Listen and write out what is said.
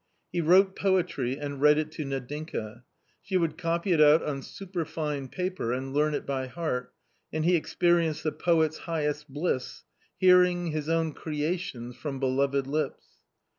He wrote poetry and read it to Nadinka ; she would copy it out on superfine paper and learn it by heart, and he experienced " the poet's highest bliss — hearing his own creations from beloved lips."